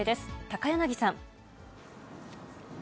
高柳さん。